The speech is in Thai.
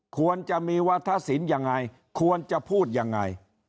ควรจะมีวัฒนศิลป์ยังไงควรจะพูดยังไง